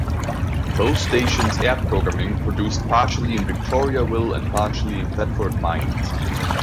Both stations air programming produced partially in Victoriaville and partially in Thetford Mines.